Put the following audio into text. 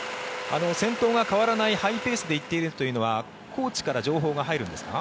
先頭が変わらないハイペースで行っているというのはコーチから情報が入るんですか？